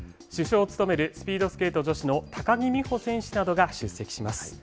主将を務めるスピードスケート女子の高木美帆選手などが出席します。